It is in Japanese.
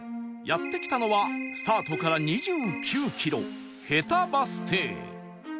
やって来たのはスタートから２９キロ部田バス停